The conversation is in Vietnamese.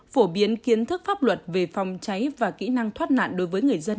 phổ biến kiến thức pháp luật về phòng cháy và kỹ năng thoát nạn đối với người dân